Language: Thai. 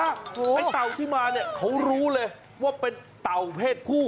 ไอ้เต่าที่มาเนี่ยเขารู้เลยว่าเป็นเต่าเพศผู้